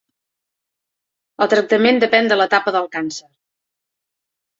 El tractament depèn de l'etapa del càncer.